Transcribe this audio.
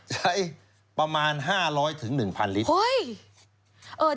ใช้ประมาณ๕๐๐๑๐๐ลิตร